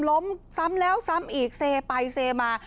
ล้มซ้ำแล้วซ้ำอีกเซไปเซมา